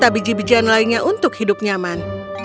tepung dan jagung serta biji bijian lainnya untuk hidup nyaman